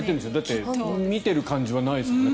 見ている感じはないですもんね